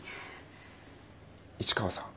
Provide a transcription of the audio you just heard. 市川さん